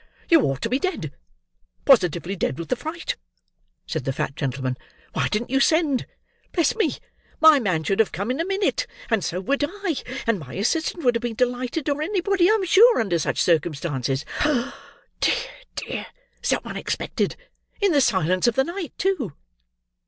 "You ought to be dead; positively dead with the fright," said the fat gentleman. "Why didn't you send? Bless me, my man should have come in a minute; and so would I; and my assistant would have been delighted; or anybody, I'm sure, under such circumstances. Dear, dear! So unexpected! In the silence of the night, too!"